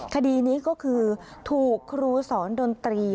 คดีนี้ก็คือถูกครูสอนดนตรี